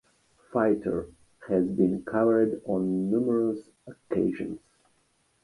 "Fighter" has been covered on numerous occasions.